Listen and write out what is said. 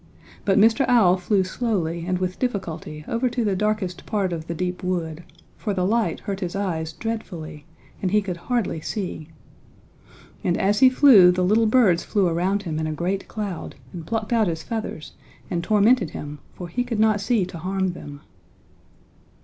"But Mr. Owl flew slowly and with difficulty over to the darkest part of the deep wood, for the light hurt his eyes dreadfully and he could hardly see. And as he flew the little birds flew around him in a great cloud and plucked out his feathers and tormented him for he could not see to harm them."